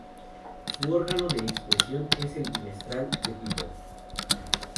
Su órgano de expresión es el bimestral "The People".